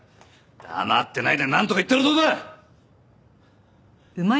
黙ってないでなんとか言ったらどうだ！？